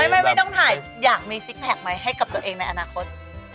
ไม่ต้องถ่ายอยากมีซิกแพคไหมให้กับตัวเองในอนาคต